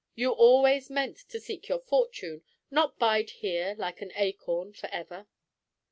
You always meant to seek your fortune—not bide here like an acorn for ever."